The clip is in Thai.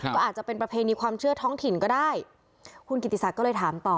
ก็อาจจะเป็นประเพณีความเชื่อท้องถิ่นก็ได้คุณกิติศักดิ์ก็เลยถามต่อ